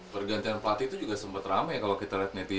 pergantian pelatih itu juga sempet rame kalo kita liat netizen